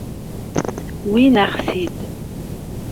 Wwin-aɣ-t-id.